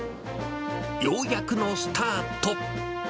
ようやくのスタート。